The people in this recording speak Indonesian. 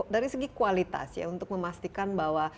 dari segi kualitas ya untuk memastikan bahwa